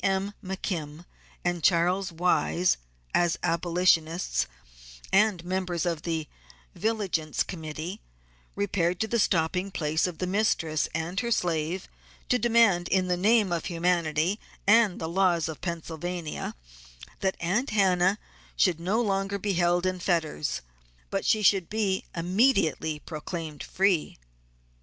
M. McKim and Charles Wise as abolitionists and members of the Vigilance Committee repaired to the stopping place of the mistress and her slave to demand in the name of humanity and the laws of Pennsylvania that Aunt Hannah should be no longer held in fetters but that she should be immediately proclaimed free.